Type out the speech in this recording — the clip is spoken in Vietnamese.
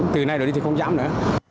từ nay rồi đi thì không dám nữa